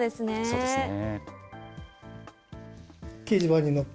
そうですね。